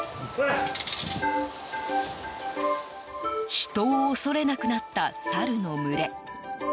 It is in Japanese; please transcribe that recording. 人を恐れなくなったサルの群れ。